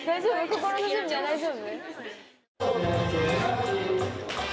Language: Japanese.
心の準備は大丈夫？